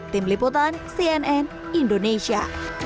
tim liputan cnn indonesia